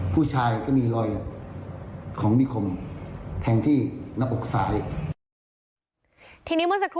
ผู้ชายก็มีรอยของมีคมแทงที่หน้าอกซ้ายทีนี้เมื่อสักครู่